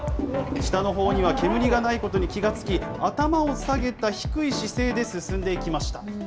下のほうには煙がないことに気が付き、頭を下げた低い姿勢で進んでいきました。